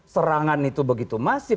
serangan itu begitu masif